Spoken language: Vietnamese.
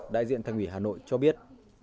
đại diện thành ủy hà nội cho biết